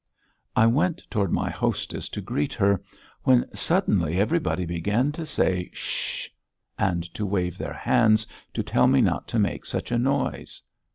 I went toward my hostess to greet her, when suddenly everybody began to say "Ssh" and to wave their hands to tell me not to make such a noise.